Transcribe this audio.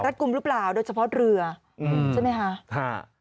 กลุ่มหรือเปล่าโดยเฉพาะเรืออืมใช่ไหมคะ